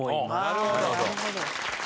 なるほど。